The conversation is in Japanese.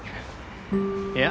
いや。